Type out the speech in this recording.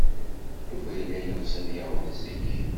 Yuba yella yeɣs ad yaweḍ zik.